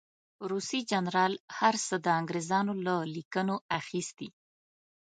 روسي جنرال هر څه د انګرېزانو له لیکنو اخیستي.